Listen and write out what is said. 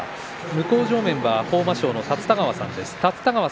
向正面の豊真将の立田川さん